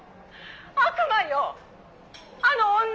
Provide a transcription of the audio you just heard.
悪魔よあの女は！